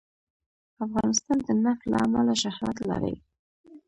افغانستان د نفت له امله شهرت لري.